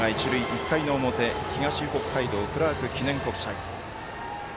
１回の表、北北海道クラーク記念国際。